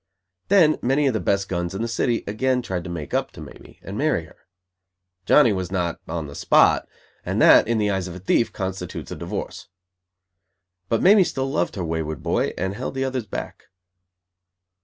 Then many of the best "guns" in the city again tried to make up to Mamie, and marry her. Johnny was not on the spot, and that, in the eyes of a thief, constitutes a divorce. But Mamie still loved her wayward boy and held the others back.